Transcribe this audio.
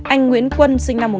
anh nguyễn quân